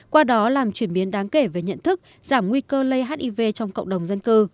qua đó làm chuyển biến đáng kể về nhận thức giảm nguy cơ lây hiv trong cộng đồng dân cư